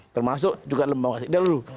termasuk juga lembaga ideal dulu